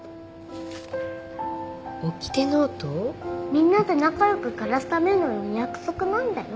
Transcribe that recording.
みんなで仲良く暮らすための約束なんだよ。